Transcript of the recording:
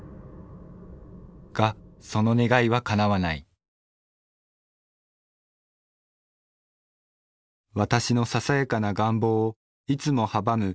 がその願いはかなわない私のささやかな願望をいつも阻む